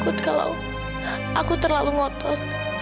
aku takut kalau aku terlalu ngotot